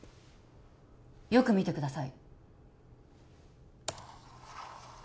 よく見てください